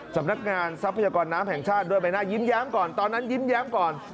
สำนักงานทรัพยากรน้ำแห่งชาติด้วยใบหน้ายิ้มแย้มก่อนตอนนั้นยิ้มแย้มก่อน